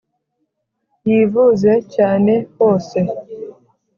Yivuze cyane hose